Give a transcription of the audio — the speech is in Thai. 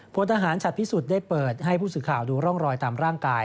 พลทหารฉัดพิสุทธิ์ได้เปิดให้ผู้สื่อข่าวดูร่องรอยตามร่างกาย